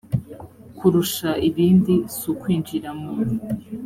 kurusha ibindi si ukwinjira mu